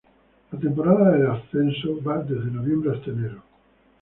La temporada de ascenso va desde noviembre hasta enero.